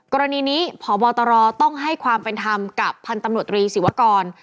กรณีนี้พบตรต้องให้ความเป็นธรรมกับพันธุ์ตำรวจตรีศิวกร